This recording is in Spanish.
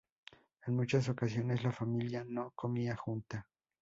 En muchas ocasiones la familia no comía junta.